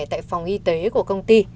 tại phòng y tế của công ty